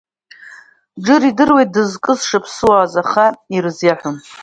Џыр идыруеит дызкыз шаԥсуааз, аха ирызиаҳәом.